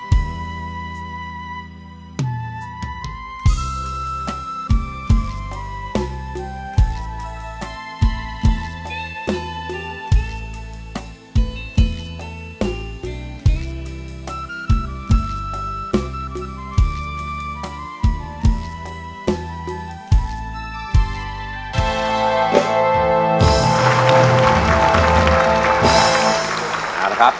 คุณกุ้งค่าหกหมื่นบาทนะครับ